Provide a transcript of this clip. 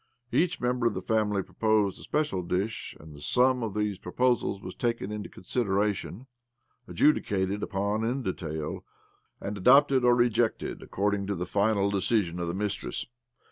Each member of the family proposed a special dish, and the sum of these proposals was taken into consideration, adjudicated upon in detail, and adopted or rejected according to the final decision of the. mistress.